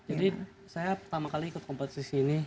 jadi saya pertama kali ikut kompetisi ini